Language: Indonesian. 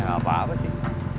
ini apa apa sih